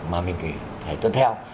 mà mình phải tuân theo